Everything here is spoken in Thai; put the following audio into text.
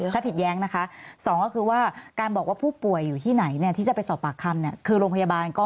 ถ้าผิดแย้งนะคะ